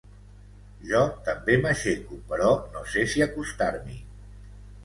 Jo també m'aixeco, però no sé si acostarm'hi.